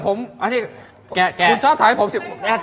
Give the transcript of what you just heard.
คุณชอบถ่ายผมสิ